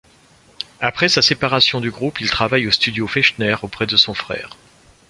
Après sa séparation du groupe, il travaille aux Studios Fechner auprès de son frère.